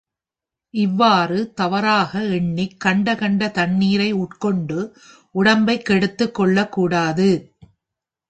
இவ்வாறு தவறாக எண்ணிக் கண்ட கண்ட தண்ணிரை உட்கொண்டு உடம்பைக் கெடுத்துக் கொள்ளக் கூடாது.